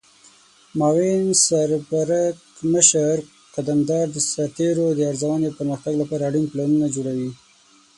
معاون سرپرکمشر قدمدار د سرتیرو د ارزونې او پرمختګ لپاره اړین پلانونه جوړوي.